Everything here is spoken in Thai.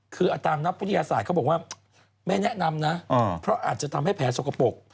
คือตามนักวิทยาศาสตร์เขาบอกว่าไม่แนะนำนะเพราะอาจจะทำให้แผลสกปรก